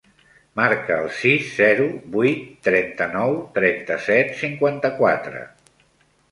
Marca el sis, zero, vuit, trenta-nou, trenta-set, cinquanta-quatre.